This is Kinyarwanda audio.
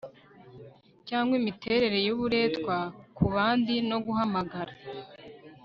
Cyangwa imiterere yuburetwa kubandi no guhamagara